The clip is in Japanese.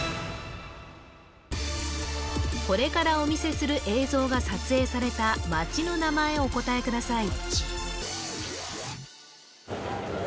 これからお見せする映像が撮影された街の名前をお答えください